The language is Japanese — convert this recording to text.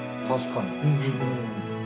確かに。